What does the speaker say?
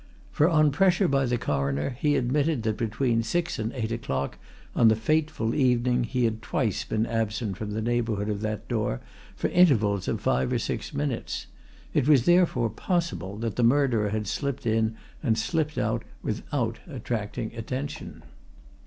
For on pressure by the Coroner he admitted that between six and eight o'clock on the fateful evening he had twice been absent from the neighbourhood of that door for intervals of five or six minutes it was therefore possible that the murderer had slipped in and slipped out without attracting attention.